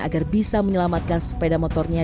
agar bisa menyelamatkan sepeda motornya